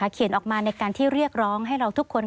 เขียนออกมาในการที่เรียกร้องให้เราทุกคน